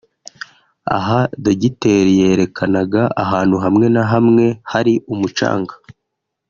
aha dogiteri yerekanaga ahantu hamwe na hamwe hari umucanga